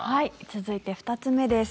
続いて２つ目です。